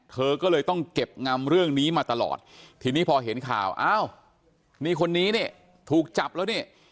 เธอก็เลยต้องเก็บงำเรื่องนี้มาตลอดทีนี้พอเห็นข่าวอ้าวนี่คนนี้นี่ถูกจับแล้วนี่